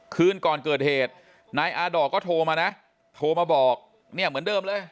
คืนก่อนเกิดเหตุนายอาดอกก็โทรมานะโทรมาบอกเนี่ยเหมือนเดิมเลย